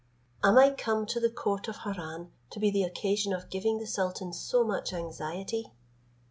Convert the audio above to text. Am I come to the court of Harran to be the occasion of giving the sultan so much anxiety?"